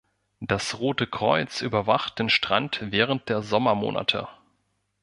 Das Rote Kreuz überwacht den Strand während der Sommermonate.